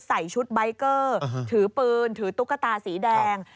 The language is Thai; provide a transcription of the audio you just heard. ใส่ชุดใบเกอร์ถือปืนถือตุ๊กตาสีแดง